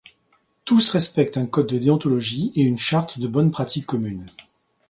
Tous respectent un Code de Déontologie et une Charte de bonne pratique commune.